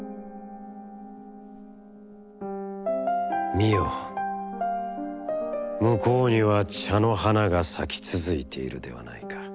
「見よ、むこうには茶の花が咲き続いているではないか。